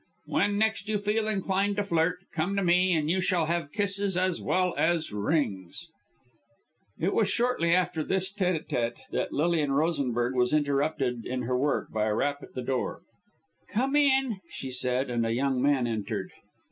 When next you feel inclined to flirt, come to me, and you shall have kisses as well as rings." It was shortly after this tête à tête that Lilian Rosenberg was interrupted in her work, by a rap at the door. "Come in," she called, and a young man entered.